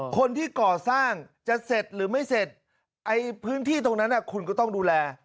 คนที่ก่อสร้างจะเสร็จหรือไม่เสร็จไอ้พื้นที่ตรงนั้นคุณก็ต้องดูแล